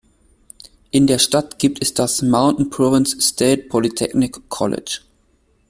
In der Stadt gibt es das "Mountain Province State Polytechnic College".